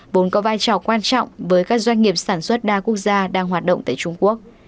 vốn có vai trò quan trọng với các doanh nghiệp sản xuất đa quốc gia đang hoạt động tại trung quốc